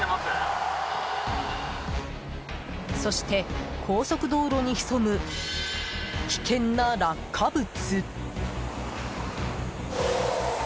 そして、高速道路に潜む危険な落下物。